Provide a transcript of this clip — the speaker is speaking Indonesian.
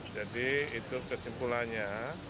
jadi itu kesimpulannya